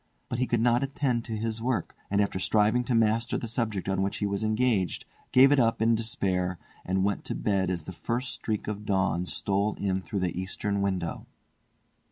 But he could not attend to his work, and after striving to master the subject on which he was engaged gave it up in despair, and went to bed as the first streak of dawn stole in through the eastern window.